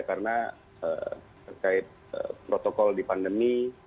karena terkait protokol di pandemi